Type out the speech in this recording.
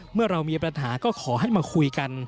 เมื่อเรามีปัญหาก็ขอให้มาคุยกัน